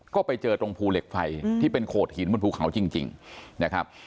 ก็ไปเจอตรงภูเหล็กไฟที่เป็นโขดหินบนภูเขาจริงนะครับ